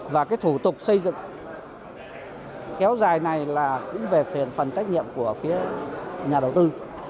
và cái thủ tục xây dựng kéo dài này là cũng về phần trách nhiệm của phía nhà đầu tư